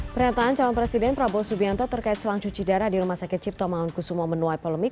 pernyataan calon presiden prabowo subianto terkait selang cuci darah di rumah sakit cipto mangunkusumo menuai polemik